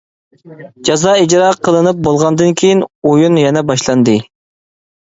جازا ئىجرا قىلىنىپ بولغاندىن كېيىن، ئويۇن يەنە باشلاندى.